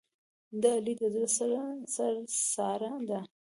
د علي د زړه سر ساره ده.